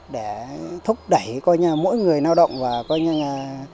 để thúc đẩy coi như mỗi người lao động và coi như là